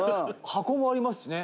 「箱もありますしね」